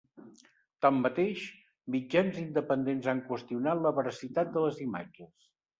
Tanmateix, mitjans independents han qüestionat la veracitat de les imatges.